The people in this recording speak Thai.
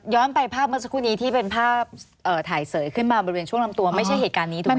ไปภาพเมื่อสักครู่นี้ที่เป็นภาพถ่ายเสยขึ้นมาบริเวณช่วงลำตัวไม่ใช่เหตุการณ์นี้ถูกไหมค